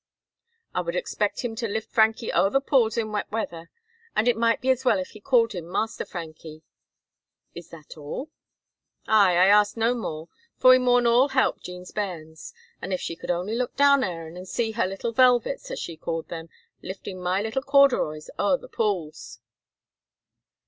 "I would expect him to lift Francie ower the pools in wet weather; and it might be as well if he called him Master Francie." "Is that all?" "Ay, I ask no more, for we maun all help Jean's bairns. If she could only look down, Aaron, and see her little velvets, as she called him, lifting my little corduroys ower the pools!"